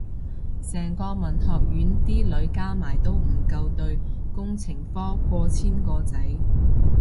成個文學院啲女加埋都唔夠對工程科過千個仔